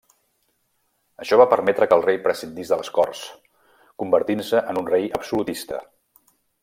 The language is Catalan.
Això va permetre que el rei prescindís de les Corts, convertint-se en un rei absolutista.